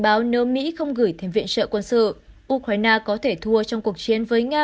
báo nếu mỹ không gửi thêm viện trợ quân sự ukraine có thể thua trong cuộc chiến với nga